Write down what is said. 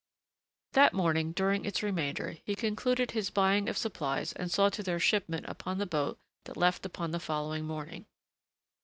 That morning, during its remainder, he concluded his buying of supplies and saw to their shipment upon the boat that left upon the following morning.